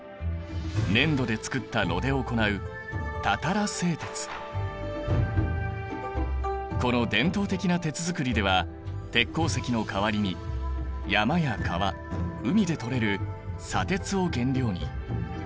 粘土で作った炉で行うこの伝統的な鉄づくりでは鉄鉱石の代わりに山や川海でとれる砂鉄を原料に。